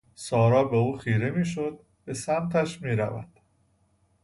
سارا به او خیره میشود به سمتش میرود